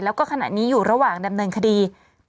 แล้วก็ขณะนี้อยู่ระหว่างดำเนินคดี